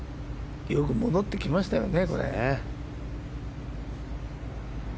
よく戻ってきましたよね。